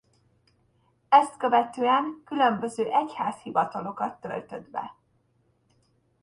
Ezt követően különböző egyház hivatalokat töltött be.